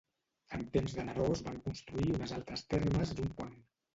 En temps de Neró es van construir unes altres termes i un pont.